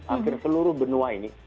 akhir seluruh benua ini